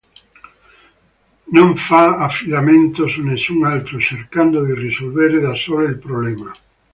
Non fa affidamento su nessun altro, cercando di risolvere da sola il problema.